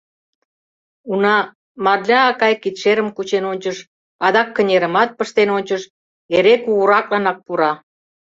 Уна, Марля акай кидшерым кучен ончыш, адак кынерымат пыштен ончыш, эре Кугыракланак пура.